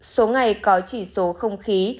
số ngày có chỉ số không khí